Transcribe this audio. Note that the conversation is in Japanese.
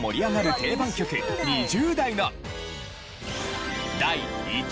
定番曲２０代の。